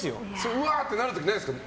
うわーってなる時ないんですか。